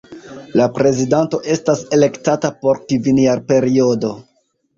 La prezidanto estas elektata por kvinjarperiodo.